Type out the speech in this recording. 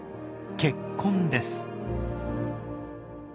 「結婚」です。